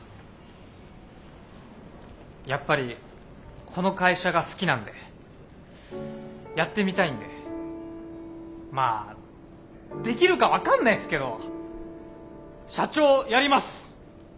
やっぱりこの会社が好きなんでやってみたいんでまあできるか分かんないすけど社長やります！